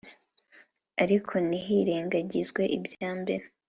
ariko ntihirengagizwe ibya mbere